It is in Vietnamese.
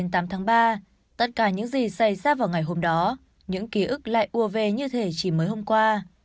khi gần đến tám tháng ba tất cả những gì xảy ra vào ngày hôm đó những ký ức lại ua về như thế chỉ mới hôm qua